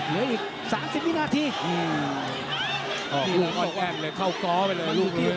เหลืออีก๓๐วินาทีอ๋อออนแอนด์เลยเข้าก้อไปเลยลูกนี้